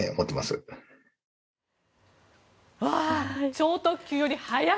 超特急より速い。